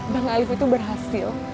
bang alif itu berhasil